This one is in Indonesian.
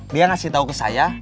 dia ngasih tahu ke saya